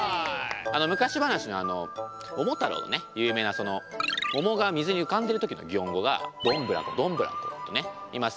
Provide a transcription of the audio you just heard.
昔話の「桃太郎」の有名なその桃が水に浮かんでる時の擬音語が「どんぶらこどんぶらこ」といいます。